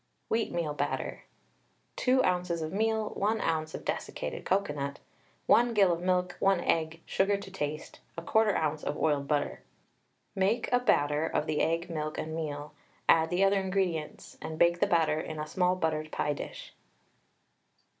WHEATMEAL BATTER. 2 oz. of meal, 1 oz. of desiccated cocoanut, 1 gill of milk, 1 egg, sugar to taste, 1/4 oz. of oiled butter. Make a batter of the egg, milk, and meal, add the other ingredients, and bake the batter in a small buttered pie dish.